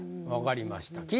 分かりました。